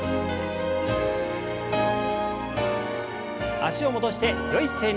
脚を戻してよい姿勢に。